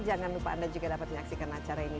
jangan lupa anda juga dapat menyaksikan acara ini